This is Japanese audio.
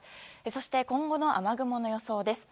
そして今後の雨雲の予想です。